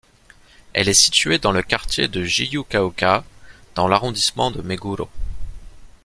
Elle est située dans le quartier de Jiyūgaoka, dans l'arrondissement de Meguro.